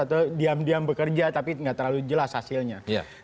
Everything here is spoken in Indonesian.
atau diam diam bekerja tapi tidak terlalu jelas hasilnya